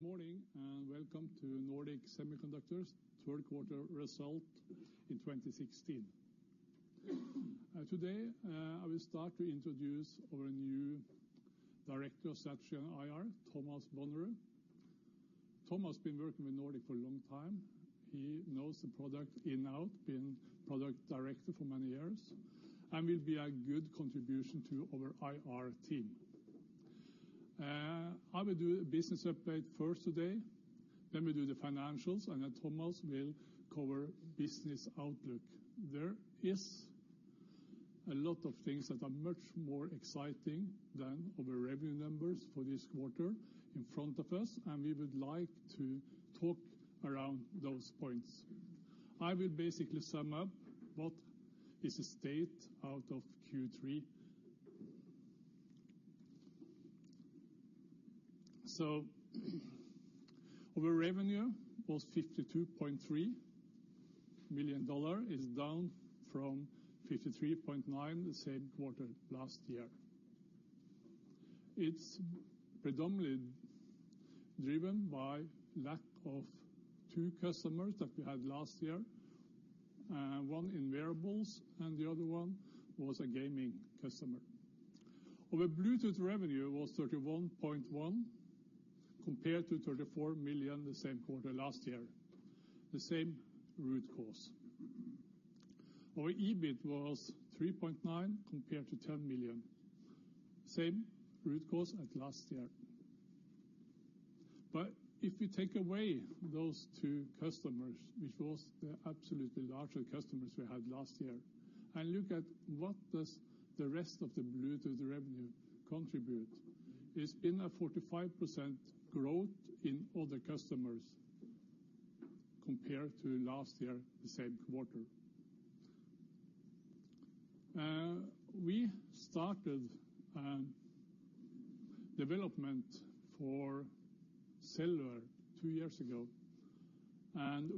Good morning, welcome to Nordic Semiconductor's third quarter result in 2016. Today, I will start to introduce our new Director of Strategy and IR, Thomas Bonnerud. Thomas been working with Nordic for a long time. He knows the product in out, been product director for many years, and will be a good contribution to our IR team. I will do a business update first today, then we do the financials, and then Thomas will cover business outlook. There is a lot of things that are much more exciting than our revenue numbers for this quarter in front of us, and we would like to talk around those points. I will basically sum up what is the state out of Q3. Our revenue was $52.3 million, is down from $53.9 million the same quarter last year. It's predominantly driven by lack of two customers that we had last year, one in wearables, and the other one was a gaming customer. Our Bluetooth revenue was $31.1 million, compared to $34 million the same quarter last year, the same root cause. Our EBIT was $3.9 million, compared to $10 million, same root cause as last year. If you take away those two customers, which was the absolutely larger customers we had last year, and look at what does the rest of the Bluetooth revenue contribute, it's been a 45% growth in other customers compared to last year, the same quarter. We started an development for cellular two years ago.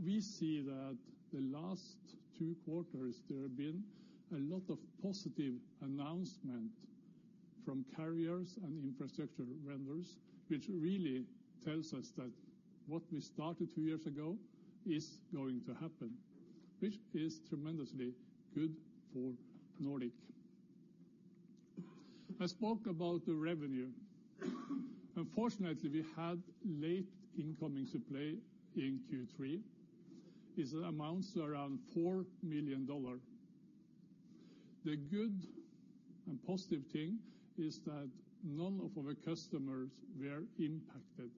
We see that the last two quarters, there have been a lot of positive announcement from carriers and infrastructure vendors, which really tells us that what we started two years ago is going to happen, which is tremendously good for Nordic. I spoke about the revenue. Unfortunately, we had late incoming supply in Q3. It amounts to around $4 million. The good and positive thing is that none of our customers were impacted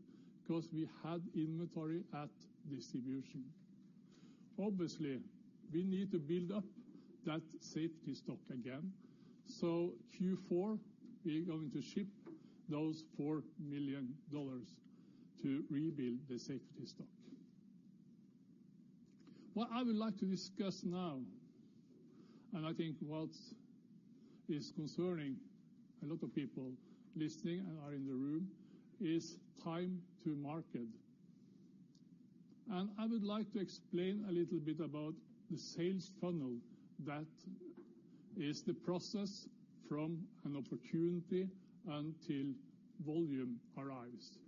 because we had inventory at distribution. Obviously, we need to build up that safety stock again. Q4, we're going to ship those $4 million to rebuild the safety stock. What I would like to discuss now, and I think what is concerning a lot of people listening and are in the room, is time to market. I would like to explain a little bit about the sales funnel. That is the process from an opportunity until volume arrives.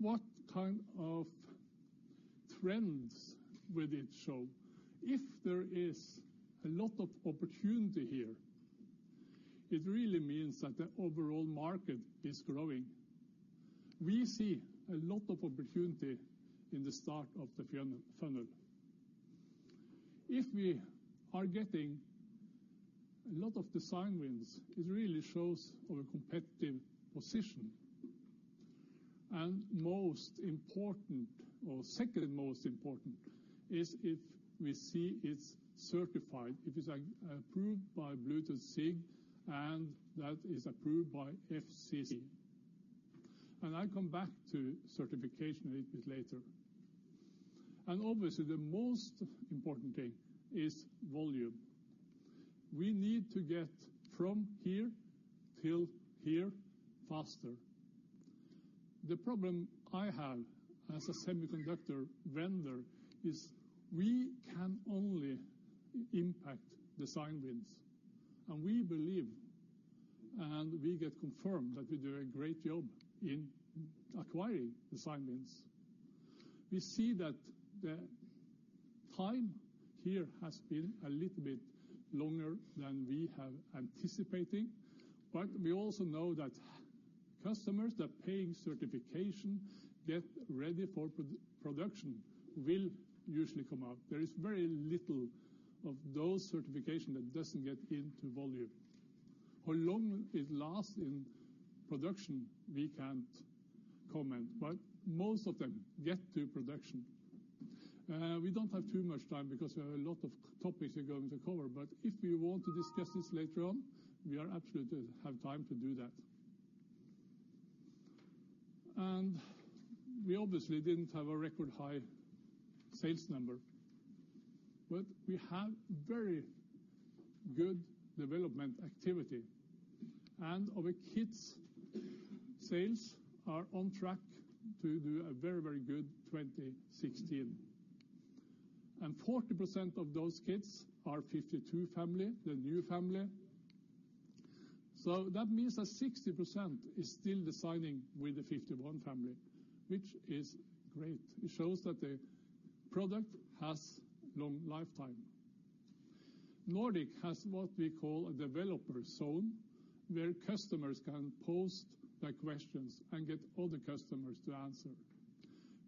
What kind of trends will it show? If there is a lot of opportunity here, it really means that the overall market is growing. We see a lot of opportunity in the start of the funnel. If we are getting a lot of design wins, it really shows our competitive position. Most important, or second most important, is if we see it's certified, if it's approved by Bluetooth SIG, and that is approved by FCC. I come back to certification a little bit later. Obviously, the most important thing is volume. We need to get from here till here faster. The problem I have as a semiconductor vendor is we can only impact design wins, and we believe, and we get confirmed, that we do a great job in acquiring design wins. We see that the time here has been a little bit longer than we have anticipating. We also know that customers that are paying certification get ready for pre-production will usually come out. There is very little of those certification that doesn't get into volume. How long it lasts in production, we can't comment. Most of them get to production. We don't have too much time because there are a lot of topics we're going to cover. If we want to discuss this later on, we are absolutely have time to do that. We obviously didn't have a record high sales number, but we have very good development activity, and our kits sales are on track to do a very, very good 2016. Forty percent of those kits are 52 family, the new family. That means that 60% is still designing with the 51 family, which is great. It shows that the product has long lifetime. Nordic has what we call a Nordic Developer Zone, where customers can post their questions and get other customers to answer.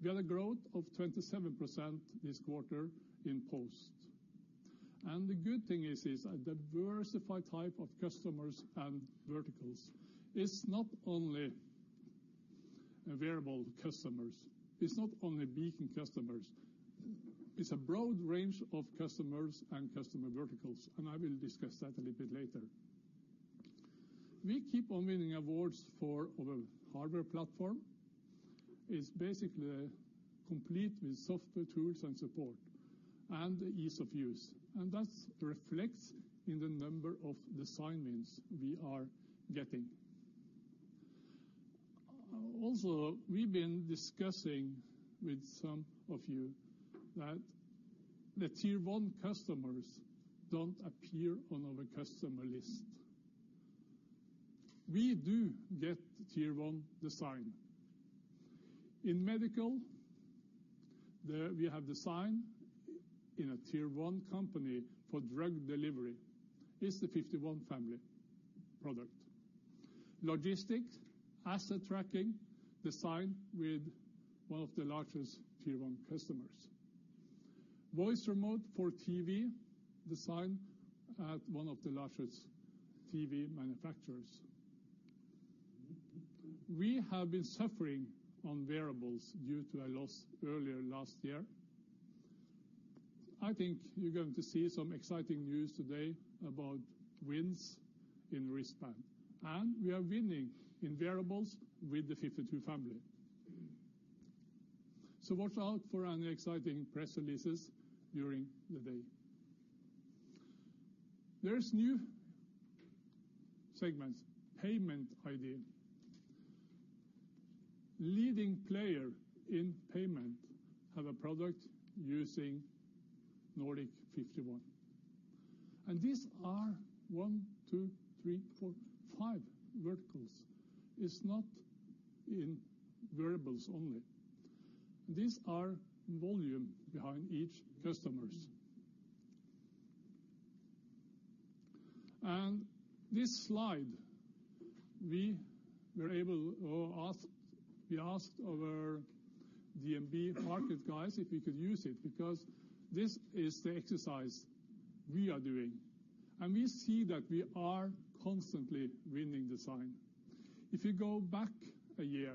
We had a growth of 27% this quarter in post. The good thing is a diversified type of customers and verticals. It's not only a wearable customers, it's not only beacon customers. It's a broad range of customers and customer verticals, and I will discuss that a little bit later. We keep on winning awards for our hardware platform. It's basically complete with software tools and support, and ease of use, and that's reflects in the number of design wins we are getting. Also, we've been discussing with some of you that the tier one customers don't appear on our customer list. We do get tier one design. In medical, there we have design in a tier one company for drug delivery. It's the nRF51 family product. Logistic, asset tracking, design with one of the largest tier one customers. Voice remote for TV design at one of the largest TV manufacturers. We have been suffering on wearables due to a loss earlier last year. I think you're going to see some exciting news today about wins in wristband, and we are winning in wearables with the nRF52 family. Watch out for any exciting press releases during the day. There's new segments, payment ID. Leading player in payment have a product using Nordic 51. These are one, two, three, four, five verticals. It's not in wearables only. These are volume behind each customers. This slide, we were able or we asked our DNB Markets guys if we could use it, because this is the exercise we are doing, and we see that we are constantly winning design. If you go back a year,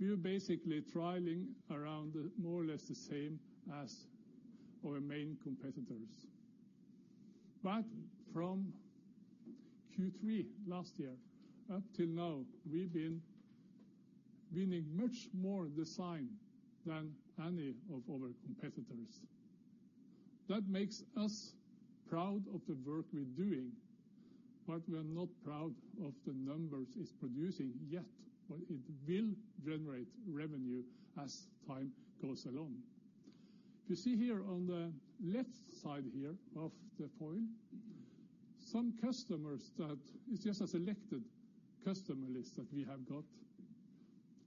we are basically trialing around more or less the same as our main competitors. From Q3 last year, up till now, we've been winning much more design than any of our competitors. That makes us proud of the work we're doing, but we are not proud of the numbers it's producing yet, but it will generate revenue as time goes along. You see here on the left side of the foil, some customers that it's just a selected customer list that we have got.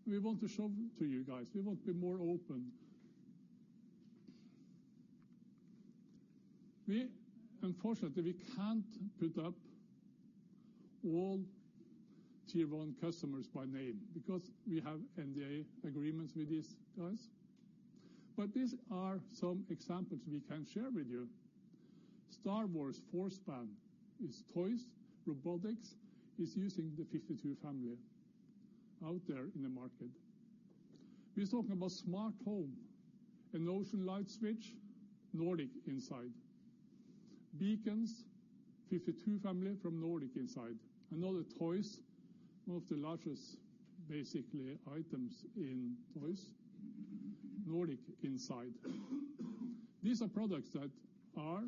We want to show to you guys, we want to be more open. Unfortunately, we can't put up all tier one customers by name because we have NDA agreements with these guys. These are some examples we can share with you. Star Wars Force Band, it's toys, robotics, is using the nRF52 family out there in the market. We're talking about smart home, Insteon light switch, Nordic inside. Beacons, nRF52 family from Nordic inside. Another toys, one of the largest, basically, items in toys, Nordic inside. These are products that are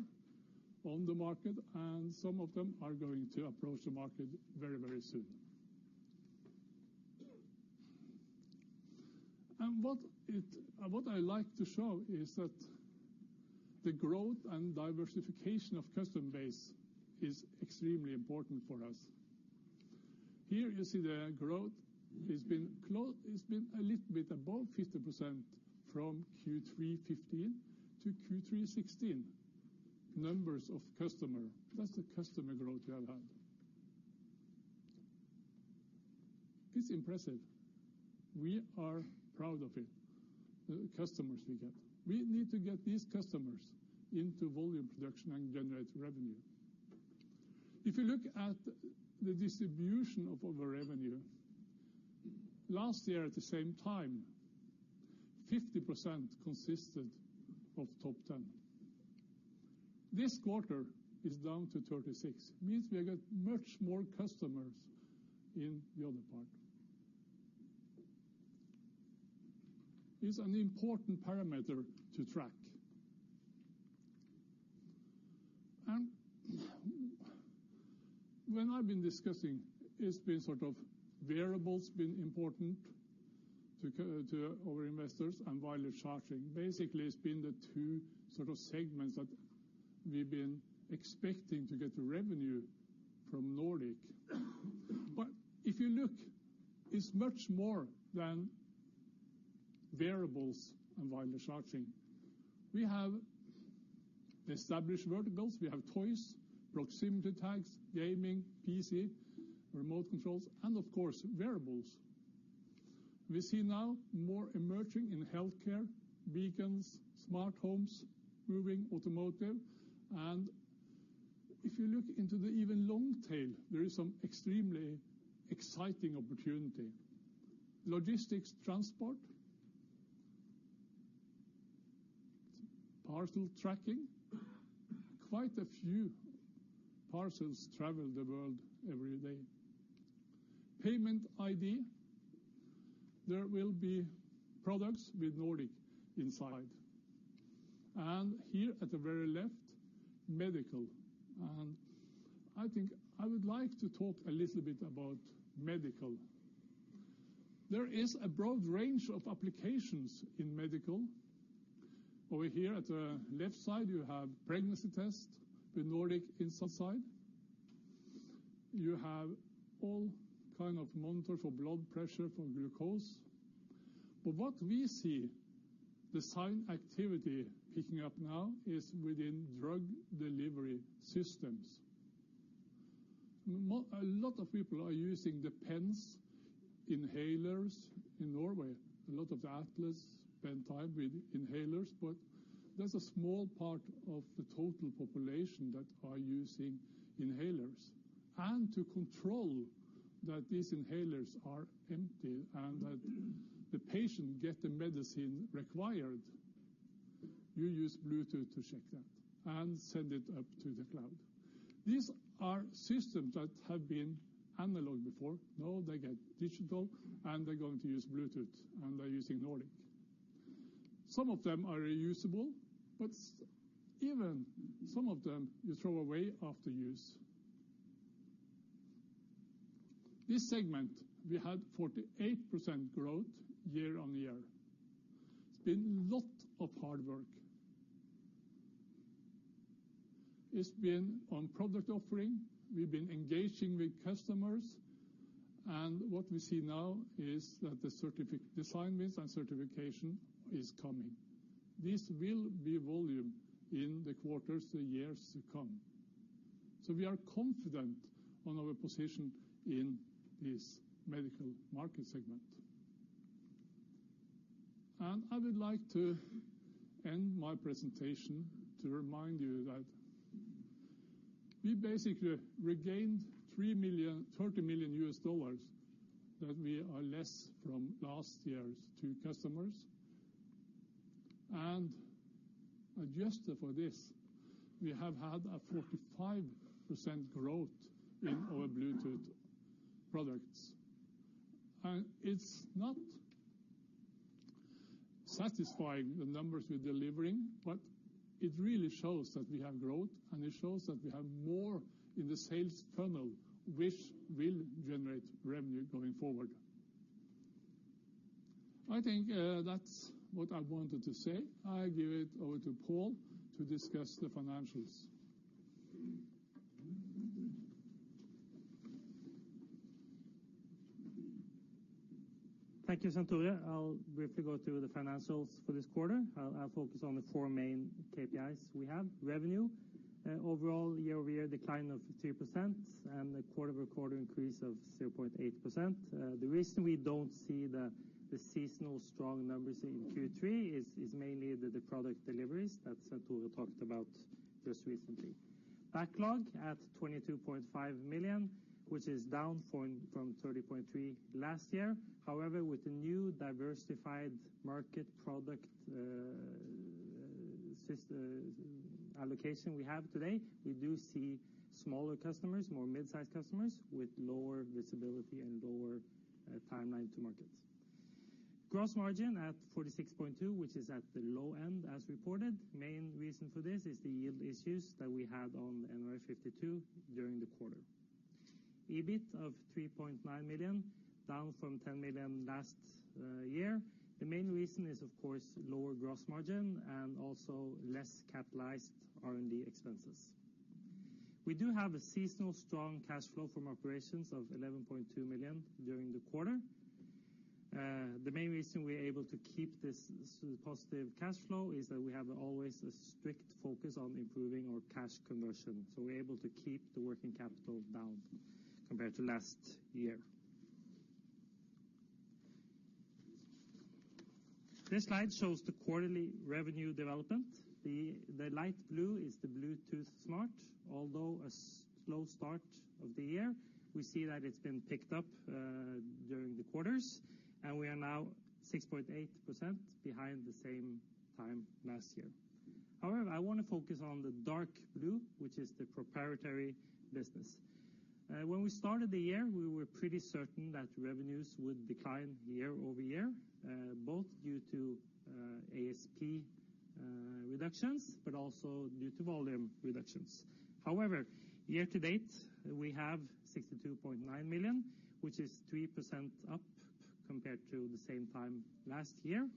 on the market, some of them are going to approach the market very, very soon. What I like to show is that the growth and diversification of customer base is extremely important for us. Here, you see the growth has been it's been a little bit above 50% from Q3 2015 to Q3 2016. Numbers of customer, that's the customer growth we have had. It's impressive. We are proud of it, the customers we get. We need to get these customers into volume production and generate revenue. If you look at the distribution of our revenue, last year at the same time, 50% consisted of top 10. This quarter is down to 36. Means we got much more customers in the other part. It's an important parameter to track. When I've been discussing, it's been sort of variables been important to to our investors and wireless charging. Basically, it's been the two sort of segments that we've been expecting to get the revenue from Nordic. If you look, it's much more than wearables and wireless charging. We have established verticals. We have toys, proximity tags, gaming, PC, remote controls, and of course, wearables. We see now more emerging in healthcare, beacons, smart homes, moving automotive, and if you look into the even long tail, there is some extremely exciting opportunity. Logistics transport, parcel tracking, quite a few parcels travel the world every day. Payment ID, there will be products with Nordic inside. Here at the very left, medical. I think I would like to talk a little bit about medical. There is a broad range of applications in medical. Over here at the left side, you have pregnancy test with Nordic inside. You have all kind of monitors for blood pressure, for glucose. What we see, the sign activity picking up now is within drug delivery systems. A lot of people are using the pens, inhalers. In Norway, a lot of athletes spend time with inhalers, but that's a small part of the total population that are using inhalers. To control that these inhalers are empty and that the patient get the medicine required, you use Bluetooth to check that and send it up to the cloud. These are systems that have been analog before. Now they get digital, and they're going to use Bluetooth, and they're using Nordic. Some of them are reusable, but even some of them you throw away after use. This segment, we had 48% growth year-over-year. It's been a lot of hard work. It's been on product offering. We've been engaging with customers, what we see now is that the certification is coming. This will be volume in the quarters, the years to come. We are confident on our position in this medical market segment. I would like to end my presentation to remind you that we basically regained $30 million, that we are less from last year's two customers. Adjusted for this, we have had a 45% growth in our Bluetooth products. It's not satisfying the numbers we're delivering, but it really shows that we have growth, and it shows that we have more in the sales funnel, which will generate revenue going forward. I think that's what I wanted to say. I give it over to Pål to discuss the financials. Thank you, Svenn-Tore. I'll briefly go through the financials for this quarter. I'll focus on the four main KPIs we have. Revenue, overall year-over-year decline of 3% and the quarter-over-quarter increase of 0.8%. The reason we don't see the seasonal strong numbers in Q3 is mainly the product deliveries that Svenn-Tore talked about just recently. Backlog at 22.5 million, which is down from 30.3 million last year. However, with the new diversified market product allocation we have today, we do see smaller customers, more mid-sized customers, with lower visibility and lower timeline to markets. Gross margin at 46.2%, which is at the low end, as reported. Main reason for this is the yield issues that we had on nRF52 during the quarter. EBIT of 3.9 million, down from 10 million last year. The main reason is, of course, lower gross margin and also less capitalized R&D expenses. We do have a seasonal strong cash flow from operations of 11.2 million during the quarter. The main reason we're able to keep this positive cash flow is that we have always a strict focus on improving our cash conversion, we're able to keep the working capital down compared to last year. This slide shows the quarterly revenue development. The light blue is the Bluetooth Smart. Although a slow start of the year, we see that it's been picked up during the quarters, we are now 6.8% behind the same time last year. However, I want to focus on the dark blue, which is the proprietary business. When we started the year, we were pretty certain that revenues would decline year-over-year, both due to ASP reductions, but also due to volume reductions. However, year to date, we have $62.9 million, which is 3% up compared to the same time last year.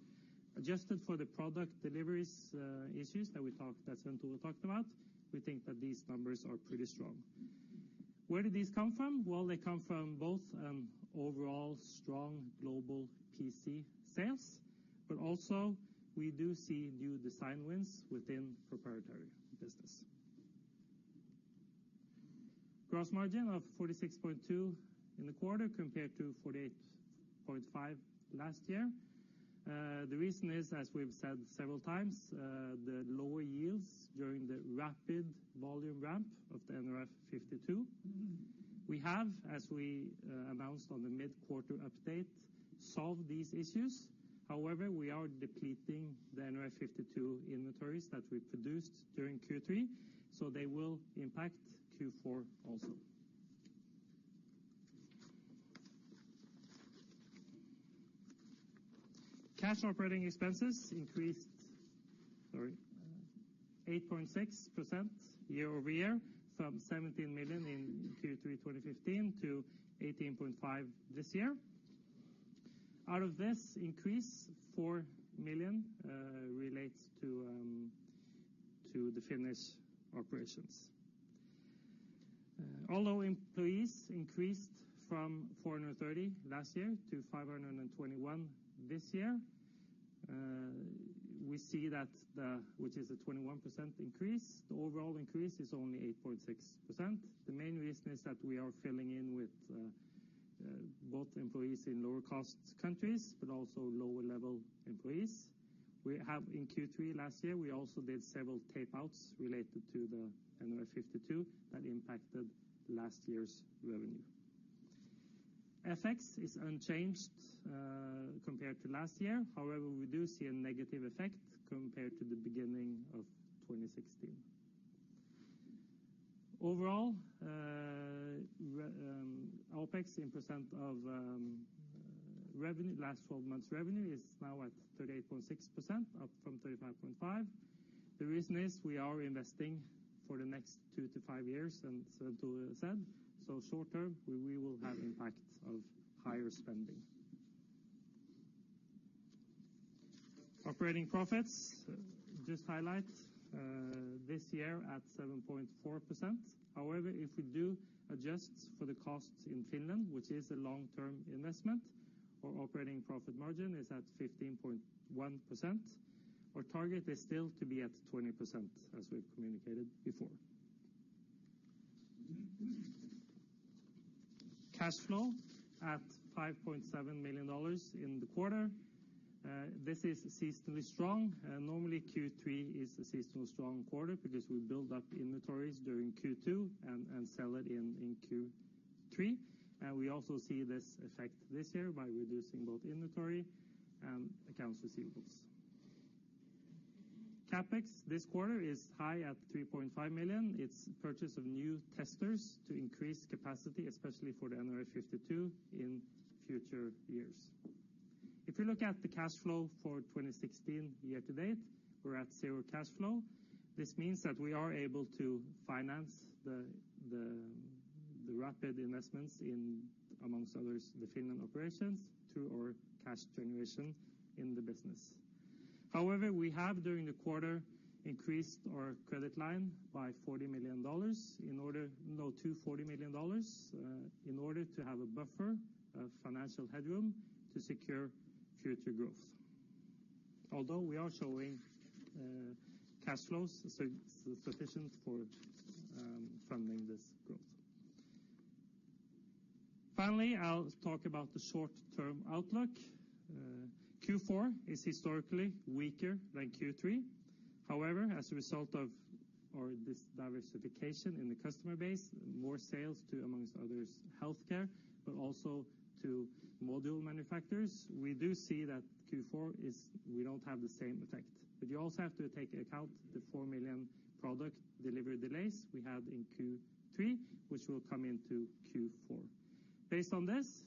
Adjusted for the product deliveries, issues that we talked, that Svenn-Tore Larsen talked about, we think that these numbers are pretty strong. Where did these come from? Well, they come from both, overall strong global PC sales, but also we do see new design wins within proprietary business. Gross margin of 46.2% in the quarter compared to 48.5% last year. The reason is, as we've said several times, the lower yields during the rapid volume ramp of the nRF52. We have, as we announced on the mid-quarter update, solved these issues. However, we are depleting the nRF52 inventories that we produced during Q3, so they will impact Q4 also. Cash operating expenses increased, sorry, 8.6% year-over-year from 17 million in Q3 2015 to 18.5 million this year. Out of this increase, 4 million relates to the Finnish operations. Although employees increased from 430 last year to 521 this year, we see that which is a 21% increase, the overall increase is only 8.6%. The main reason is that we are filling in with both employees in lower cost countries, but also lower level employees. We have in Q3 last year, we also did several tapeouts related to the nRF52 that impacted last year's revenue. FX is unchanged compared to last year. We do see a negative effect compared to the beginning of 2016. Overall, OpEx in % of revenue, last 12 months' revenue, is now at 38.6%, up from 35.5%. The reason is we are investing for the next two to five years, Svenn-Tore said, short term, we will have impact of higher spending. Operating profits, just highlight, this year at 7.4%. If we do adjust for the costs in Finland, which is a long-term investment, our operating profit margin is at 15.1%. Our target is still to be at 20%, as we've communicated before. Cash flow at $5.7 million in the quarter. This is seasonally strong, normally, Q3 is a seasonally strong quarter because we build up inventories during Q2 and sell it in Q3. We also see this effect this year by reducing both inventory and accounts receivables. CapEx this quarter is high at $3.5 million. It's purchase of new testers to increase capacity, especially for the nRF52 in future years. If you look at the cash flow for 2016 year to date, we're at 0 cash flow. This means that we are able to finance the rapid investments in, amongst others, the Finland operations, through our cash generation in the business. However, we have, during the quarter, increased our credit line by $240 million in order to have a buffer, a financial headroom, to secure future growth. Although we are showing sufficient cash flows for funding this growth. Finally, I'll talk about the short-term outlook. Q4 is historically weaker than Q3. As a result of our, this diversification in the customer base, more sales to, amongst others, healthcare, but also to module manufacturers, we do see that we don't have the same effect. You also have to take into account the $4 million product delivery delays we had in Q3, which will come into Q4. Based on this,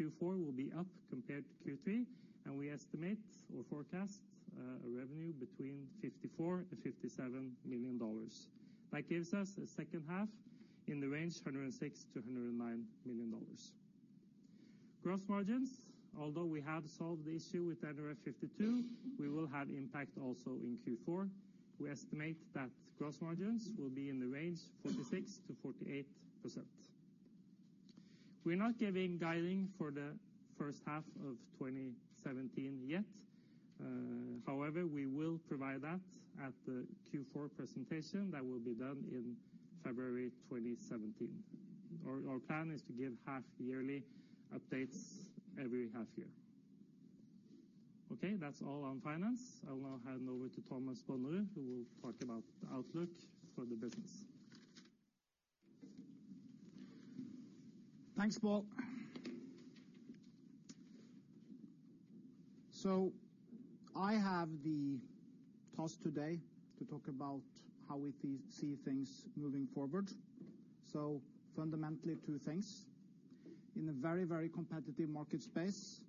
Q4 will be up compared to Q3, and we estimate or forecast a revenue between $54 million and $57 million. That gives us a second half in the range $106 million-$109 million. Gross margins, although we have solved the issue with nRF52, we will have impact also in Q4. We estimate that gross margins will be in the range 46%-48%. We're not giving guiding for the first half of 2017 yet. However, we will provide that at the Q4 presentation that will be done in February 2017. Our plan is to give half yearly updates every half year. Okay, that's all on finance. I will now hand over to Thomas Bonnerud, who will talk about the outlook for the business. Thanks, Pål. I have the task today to talk about how we see things moving forward. Fundamentally, two things. In a very, very competitive market space...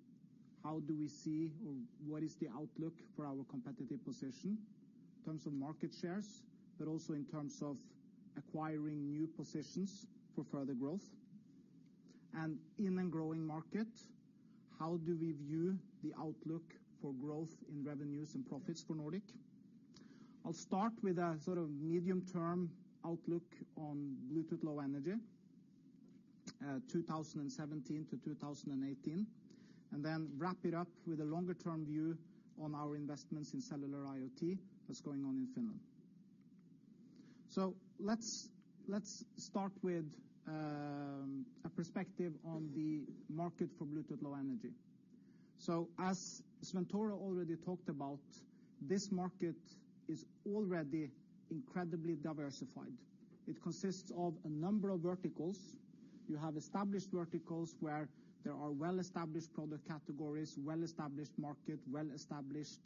how do we see, or what is the outlook for our competitive position in terms of market shares, but also in terms of acquiring new positions for further growth? In a growing market, how do we view the outlook for growth in revenues and profits for Nordic? I'll start with a sort of medium-term outlook on Bluetooth Low Energy, 2017 to 2018, and then wrap it up with a longer-term view on our investments in Cellular IoT that's going on in Finland. Let's start with a perspective on the market for Bluetooth Low Energy. As Svenn-Tore already talked about, this market is already incredibly diversified. It consists of a number of verticals. You have established verticals where there are well-established product categories, well-established market, well-established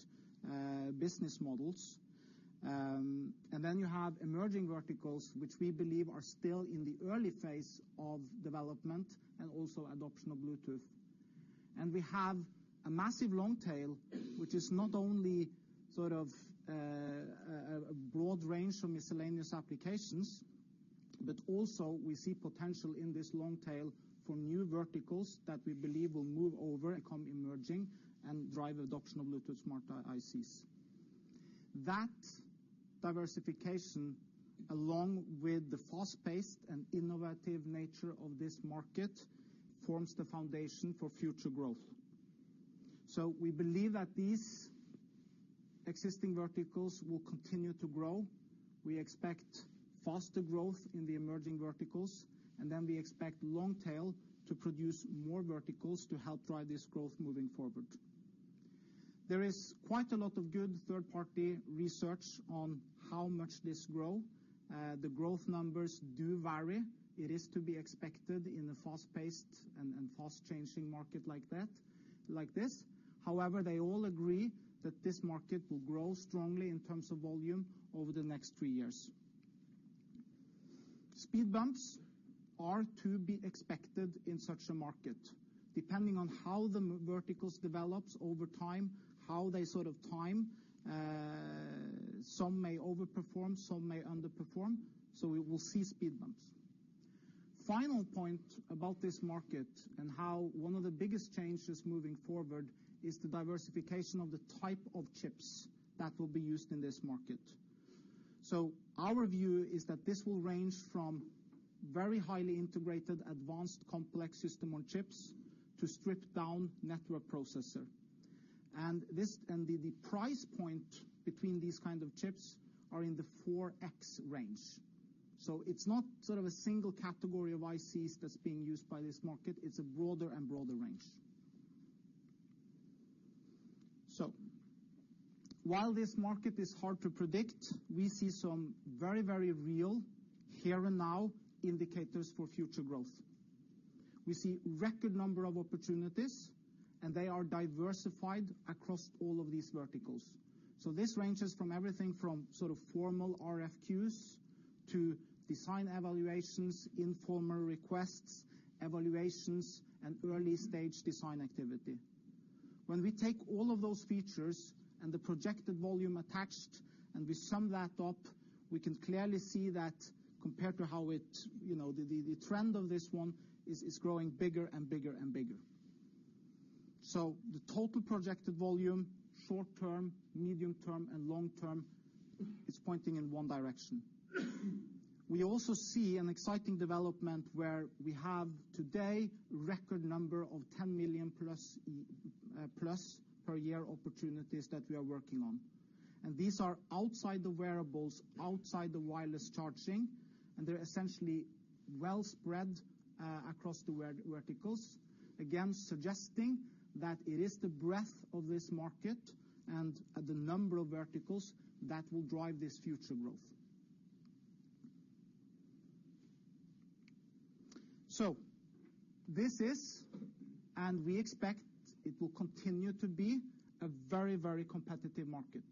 business models. Then you have emerging verticals, which we believe are still in the early phase of development and also adoption of Bluetooth. We have a massive long tail, which is not only sort of a broad range of miscellaneous applications, but also we see potential in this long tail for new verticals that we believe will move over and come emerging and drive adoption of Bluetooth Smart ICs. That diversification, along with the fast-paced and innovative nature of this market, forms the foundation for future growth. We believe that these existing verticals will continue to grow. We expect faster growth in the emerging verticals. We expect long tail to produce more verticals to help drive this growth moving forward. There is quite a lot of good third-party research on how much this grow. The growth numbers do vary. It is to be expected in a fast-paced and fast-changing market like that, like this. However, they all agree that this market will grow strongly in terms of volume over the next three years. Speed bumps are to be expected in such a market. Depending on how the verticals develops over time, how they sort of time, some may overperform, some may underperform, so we will see speed bumps. Final point about this market and how one of the biggest changes moving forward is the diversification of the type of chips that will be used in this market. Our view is that this will range from very highly integrated, advanced, complex system-on-chips to stripped-down network processor. The price point between these kind of chips are in the 4x range. It's not sort of a single category of ICs that's being used by this market, it's a broader and broader range. While this market is hard to predict, we see some very, very real, here and now indicators for future growth. We see record number of opportunities, and they are diversified across all of these verticals. This ranges from everything from sort of formal RFQs to design evaluations, informal requests, evaluations, and early-stage design activity. When we take all of those features and the projected volume attached, and we sum that up, we can clearly see that compared to how it, you know, the trend of this one is growing bigger and bigger and bigger. The total projected volume, short term, medium term, and long term, is pointing in one direction. We also see an exciting development where we have today, record number of 10 million+ per year opportunities that we are working on. These are outside the wearables, outside the wireless charging, and they're essentially well-spread across the verticals. Again, suggesting that it is the breadth of this market and the number of verticals that will drive this future growth. This is, and we expect it will continue to be, a very, very competitive market.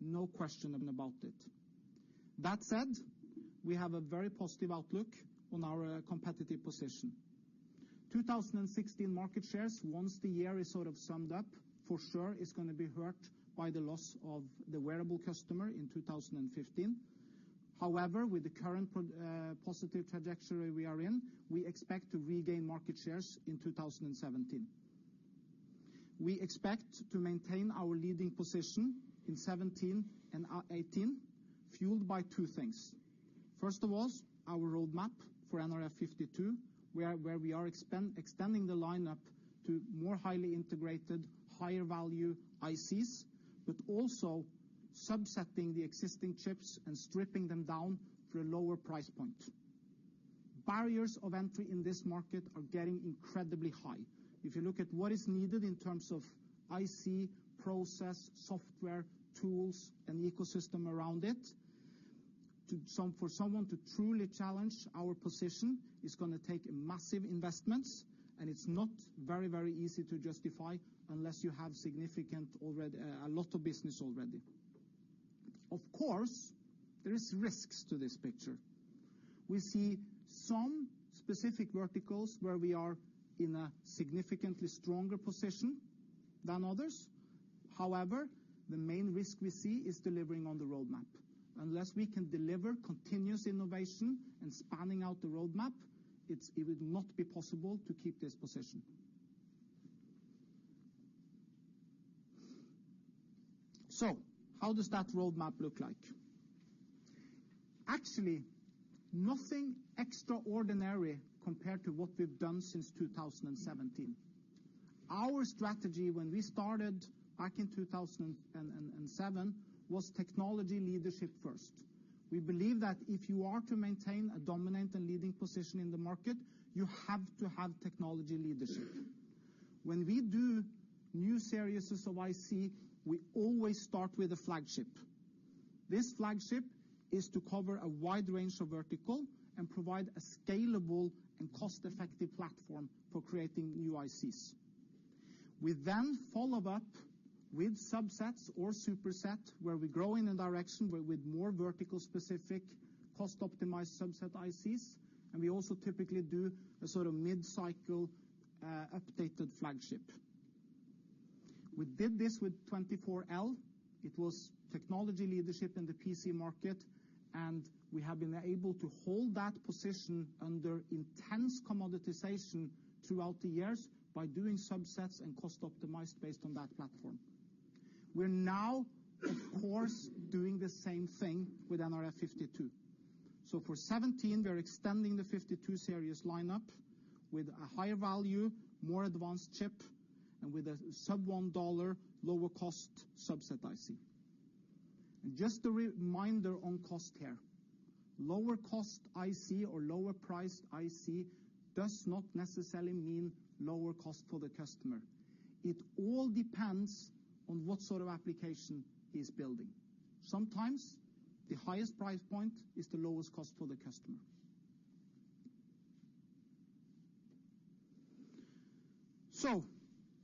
No question about it. That said, we have a very positive outlook on our competitive position. 2016 market shares, once the year is sort of summed up, for sure is going to be hurt by the loss of the wearable customer in 2015. With the current positive trajectory we are in, we expect to regain market shares in 2017. We expect to maintain our leading position in 2017 and 2018, fueled by two things. First of all, our roadmap for nRF52, where we are extending the lineup to more highly integrated, higher-value ICs, but also subsetting the existing chips and stripping them down for a lower price point. Barriers of entry in this market are getting incredibly high. If you look at what is needed in terms of IC, process, software, tools, and ecosystem around it, for someone to truly challenge our position, it's going to take massive investments, and it's not very easy to justify unless you have significant already, a lot of business already. Of course, there is risks to this picture. We see some specific verticals where we are in a significantly stronger position than others. The main risk we see is delivering on the roadmap. Unless we can deliver continuous innovation and spanning out the roadmap, it would not be possible to keep this position. How does that roadmap look like? Actually, nothing extraordinary compared to what we've done since 2017. Our strategy when we started back in 2007, was technology leadership first. We believe that if you are to maintain a dominant and leading position in the market, you have to have technology leadership. When we do new series of IC, we always start with a flagship. This flagship is to cover a wide range of vertical and provide a scalable and cost-effective platform for creating new ICs. We follow up with subsets or superset, where we grow in a direction, but with more vertical-specific, cost-optimized subset ICs, and we also typically do a sort of mid-cycle updated flagship. We did this with nRF24L. It was technology leadership in the PC market, and we have been able to hold that position under intense commoditization throughout the years by doing subsets and cost optimized based on that platform. We're now, of course, doing the same thing with nRF52. For 17, we're extending the nRF52 Series lineup with a higher value, more advanced chip, and with a sub-$1 lower cost subset IC. Just a reminder on cost here. Lower cost IC or lower priced IC does not necessarily mean lower cost for the customer. It all depends on what sort of application he's building. Sometimes the highest price point is the lowest cost for the customer.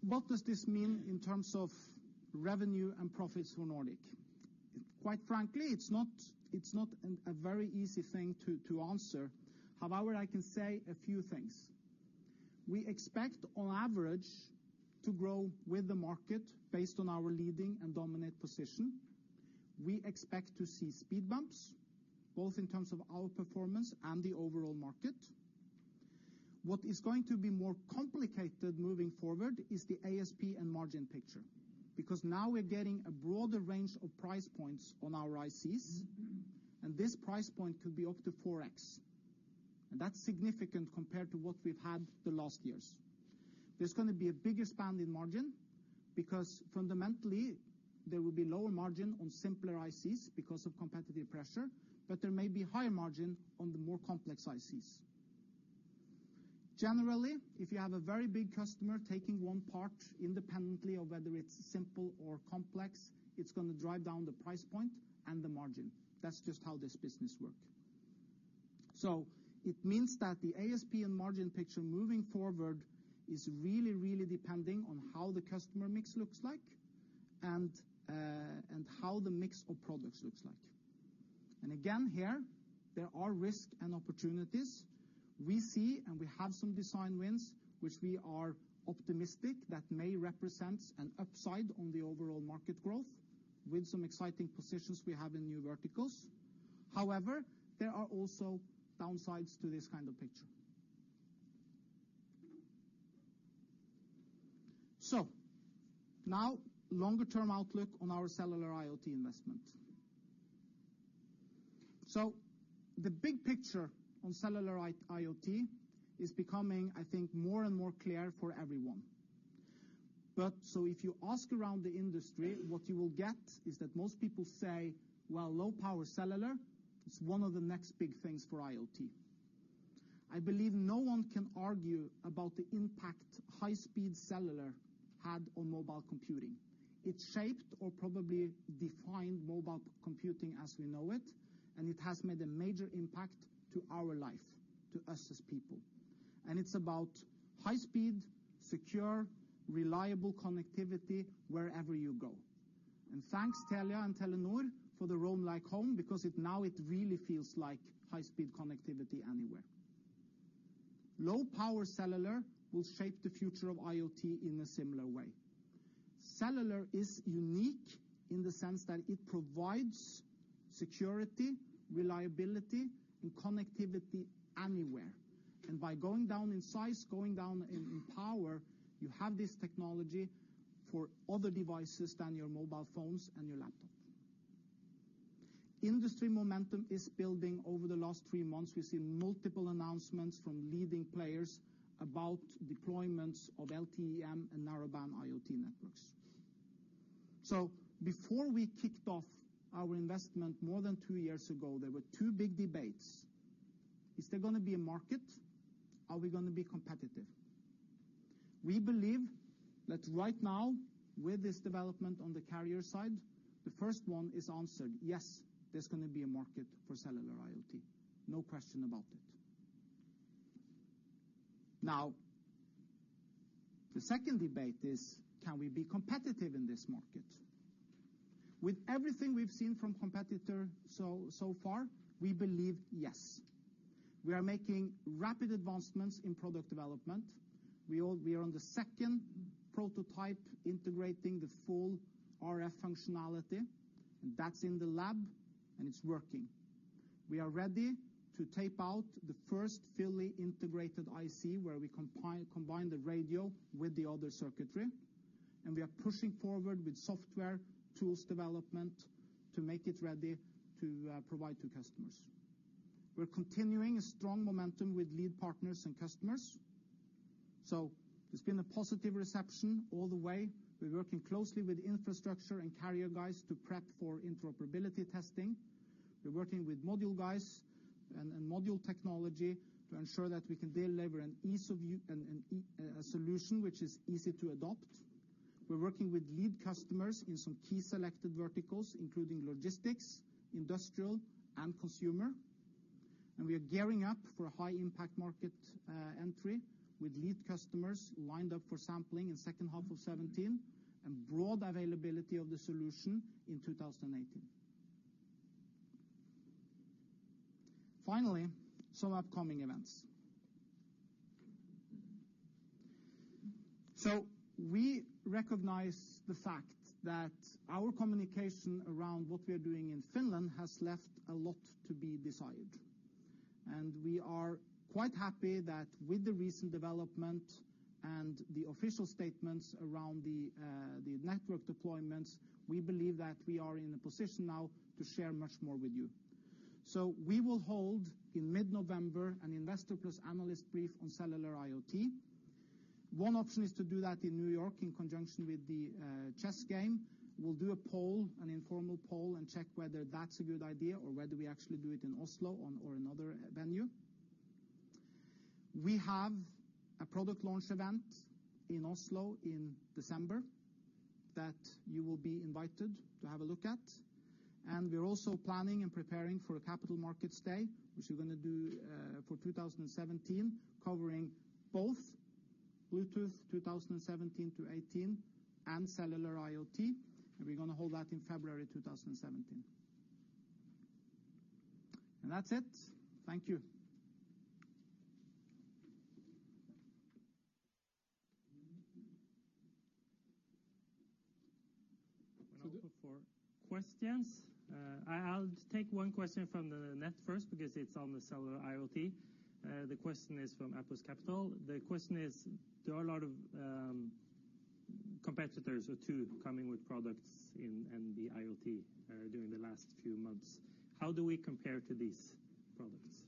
What does this mean in terms of revenue and profits for Nordic? Quite frankly, it's not a very easy thing to answer. However, I can say a few things. We expect, on average, to grow with the market based on our leading and dominant position. We expect to see speed bumps, both in terms of our performance and the overall market. What is going to be more complicated moving forward is the ASP and margin picture, because now we're getting a broader range of price points on our ICs, and this price point could be up to 4x. That's significant compared to what we've had the last years. There's gonna be a bigger span in margin, because fundamentally, there will be lower margin on simpler ICs because of competitive pressure, but there may be higher margin on the more complex ICs. Generally, if you have a very big customer taking one part independently of whether it's simple or complex, it's gonna drive down the price point and the margin. That's just how this business work. It means that the ASP and margin picture moving forward is really, really depending on how the customer mix looks like and how the mix of products looks like. Again, here, there are risk and opportunities. We see and we have some design wins, which we are optimistic that may represent an upside on the overall market growth with some exciting positions we have in new verticals. However, there are also downsides to this kind of picture. Now, longer-term outlook on our Cellular IoT investment. The big picture on Cellular IoT is becoming, I think, more and more clear for everyone. If you ask around the industry, what you will get is that most people say, well, low-power cellular is one of the next big things for IoT. I believe no one can argue about the impact high-speed cellular had on mobile computing. It shaped or probably defined mobile computing as we know it, and it has made a major impact to our life, to us as people. It's about high speed, secure, reliable connectivity wherever you go. Thanks, Telia and Telenor, for the Roam like at Home, because it now it really feels like high-speed connectivity anywhere. Low-power cellular will shape the future of IoT in a similar way. Cellular is unique in the sense that it provides security, reliability, and connectivity anywhere. By going down in size, going down in power, you have this technology for other devices than your mobile phones and your laptop. Industry momentum is building. Over the last three months, we've seen multiple announcements from leading players about deployments of LTE-M and Narrowband IoT networks. Before we kicked off our investment more than two years ago, there were two big debates: Is there gonna be a market? Are we gonna be competitive? We believe that right now, with this development on the carrier side, the first one is answered. Yes, there's gonna be a market for Cellular IoT, no question about it. Now, the second debate is: can we be competitive in this market? With everything we've seen from competitor so far, we believe yes. We are making rapid advancements in product development. We are on the second prototype, integrating the full RF functionality, and that's in the lab, and it's working. We are ready to tape out the first fully integrated IC, where we combine the radio with the other circuitry, and we are pushing forward with software tools development to make it ready to provide to customers. We're continuing a strong momentum with lead partners and customers. It's been a positive reception all the way. We're working closely with infrastructure and carrier guys to prep for interoperability testing. We're working with module guys and module technology to ensure that we can deliver a solution which is easy to adopt. We're working with lead customers in some key selected verticals, including logistics, industrial, and consumer. We are gearing up for a high-impact market entry with lead customers lined up for sampling in second half of 2017, and broad availability of the solution in 2018. Finally, some upcoming events. We recognize the fact that our communication around what we are doing in Finland has left a lot to be desired, and we are quite happy that with the recent development and the official statements around the network deployments, we believe that we are in a position now to share much more with you. We will hold, in mid-November, an investor plus analyst brief on Cellular IoT. One option is to do that in New York in conjunction with the chess game. We'll do a poll, an informal poll, and check whether that's a good idea, or whether we actually do it in Oslo or another venue. We have a product launch event in Oslo in December that you will be invited to have a look at. We're also planning and preparing for a capital markets day, which we're gonna do for 2017, covering both Bluetooth 2017 to 2018 and cellular IoT. We're gonna hold that in February 2017. That's it. Thank you. For questions, I'll take one question from the net first, because it's on the Cellular IoT. The question is from Apus Capital. The question is, there are a lot of, competitors or two coming with products in the IoT, during the last few months. How do we compare to these products,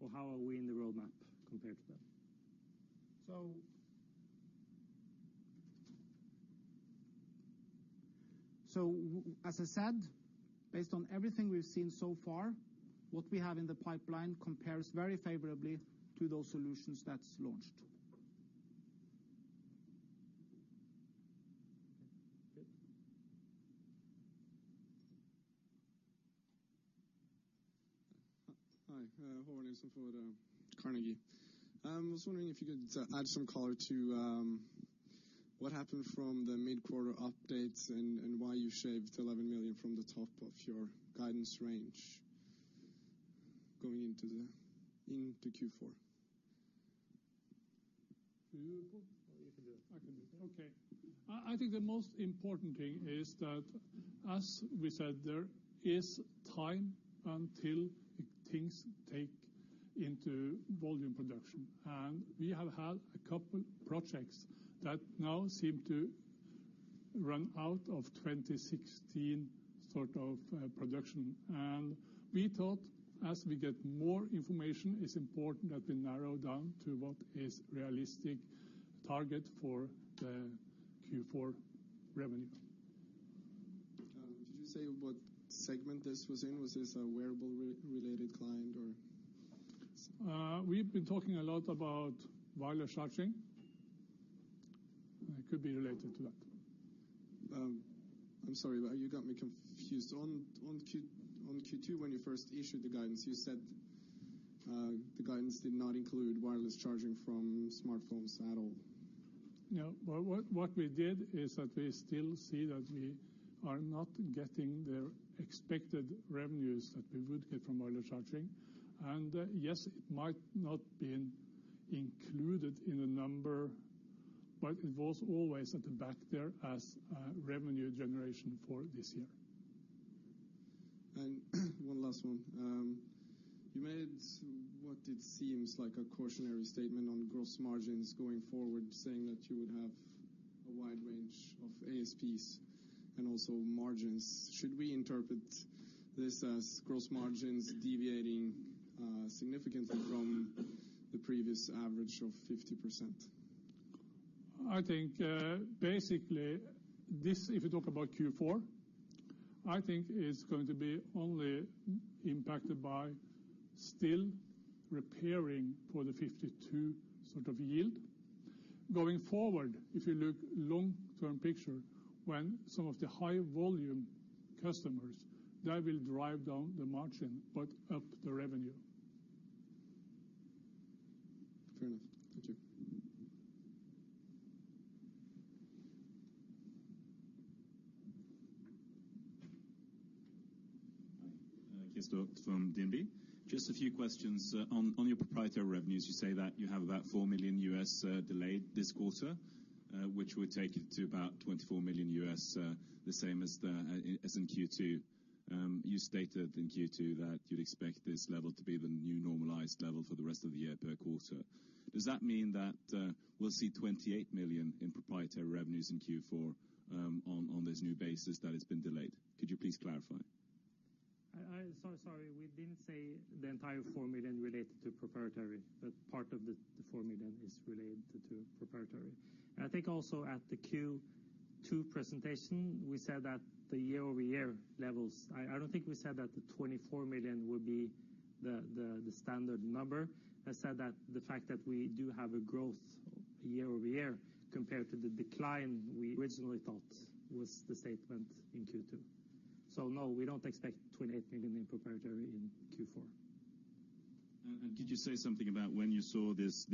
or how are we in the roadmap compared to them? As I said, based on everything we've seen so far, what we have in the pipeline compares very favorably to those solutions that's launched. Okay, good. Hi, Horning from Carnegie. I was wondering if you could add some color to what happened from the mid-quarter updates and why you shaved 11 million from the top of your guidance range going into Q4? You can do it. I can do it. Okay. I think the most important thing is that, as we said, there is time until things take into volume production. We have had a couple projects that now seem to run out of 2016 sort of, production. We thought, as we get more information, it's important that we narrow down to what is realistic target for the Q4 revenue. Did you say what segment this was in? Was this a wearable related client or? We've been talking a lot about wireless charging. It could be related to that. I'm sorry, you got me confused. On Q2, when you first issued the guidance, you said the guidance did not include wireless charging from smartphones at all. Yeah, well, what we did is that we still see that we are not getting the expected revenues that we would get from wireless charging. Yes, it might not been included in the number, but it was always at the back there as a revenue generation for this year. One last one. You made what it seems like a cautionary statement on gross margins going forward, saying that you would have a wide range of ASPs and also margins. Should we interpret this as gross margins deviating significantly from the previous average of 50%? I think, basically, this, if you talk about Q4, I think it's going to be only impacted by still preparing for the nRF52 sort of yield. Going forward, if you look long-term picture, when some of the high volume customers, that will drive down the margin, but up the revenue. Fair enough. Thank you. Hi, Christoffer Wang from DNB. Just a few questions. On your proprietary revenues, you say that you have about $4 million delayed this quarter, which would take you to about $24 million, the same as in Q2. You stated in Q2 that you'd expect this level to be the new normalized level for the rest of the year per quarter. Does that mean that we'll see $28 million in proprietary revenues in Q4 on this new basis that has been delayed? Could you please clarify? Sorry, we didn't say the entire 4 million related to proprietary, but part of the 4 million is related to proprietary. I think also at the Q2 presentation, we said that the year-over-year levels. I don't think we said that the 24 million would be the standard number. I said that the fact that we do have a growth year-over-year, compared to the decline we originally thought, was the statement in Q2. No, we don't expect 28 million in proprietary in Q4. Could you say something about when you saw this,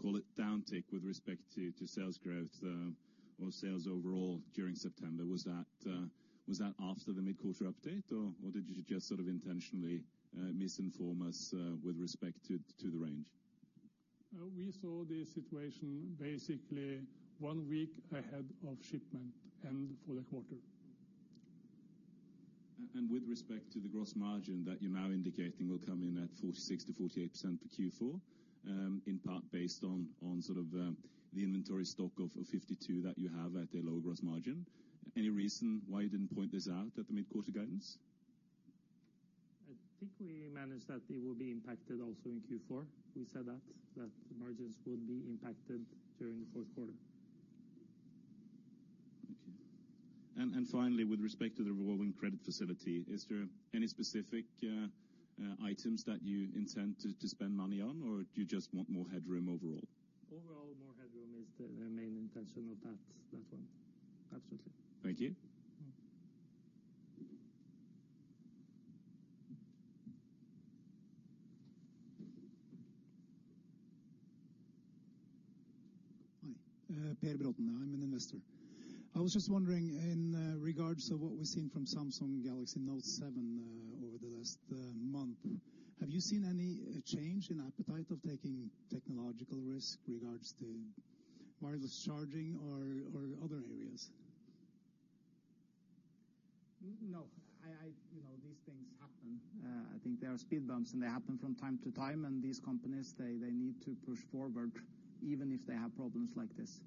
call it, downtick with respect to sales growth, or sales overall during September? Was that after the mid-quarter update, or did you just sort of intentionally, misinform us, with respect to the range? We saw the situation basically one week ahead of shipment and for the quarter. With respect to the gross margin that you're now indicating will come in at 46%-48% for Q4, in part based on sort of, the inventory stock of 52 that you have at a lower gross margin, any reason why you didn't point this out at the mid-quarter guidance? I think we managed that it will be impacted also in Q4. We said that the margins would be impacted during the fourth quarter. Thank you. Finally, with respect to the revolving credit facility, is there any specific items that you intend to spend money on, or do you just want more headroom overall? Overall, more headroom is the main intention of that one. Absolutely. Thank you. Mm-hmm. Hi. Per Braathen. I'm an investor. I was just wondering, in regards to what we've seen from Samsung Galaxy Note7, over the last month, have you seen any change in appetite of taking technological risk regards to wireless charging or other areas? No. You know, these things happen. I think there are speed bumps, and they happen from time to time, and these companies, they need to push forward, even if they have problems like this.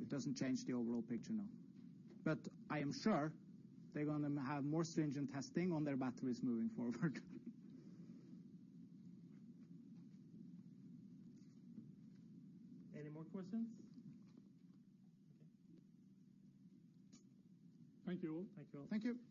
It doesn't change the overall picture, no. I am sure they're gonna have more stringent testing on their batteries moving forward. Any more questions? Okay. Thank you all. Thank you all. Thank you.